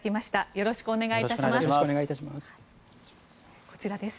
よろしくお願いします。